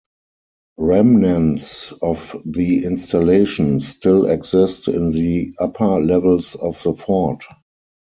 Remnants of the installation still exist in the upper levels of the fort.